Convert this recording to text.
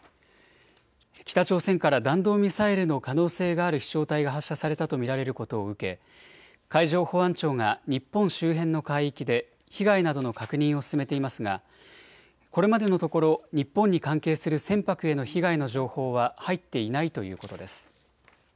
北朝鮮から弾道ミサイルの可能性がある飛しょう体が発射されたと見られることを受け海上保安庁が日本周辺の海域で被害などの確認を進めていますがこれまでのところ日本に関係する船舶への被害の情報は入っていないということです。